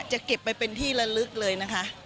จะเก็บไปเป็นที่ละลึกเลยนะคะ